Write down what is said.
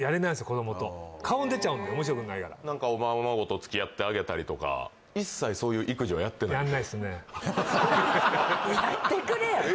子供と顔に出ちゃうんで面白くないから何かおままごとつきあってあげたりとか一切そういう育児はやってないやってくれよ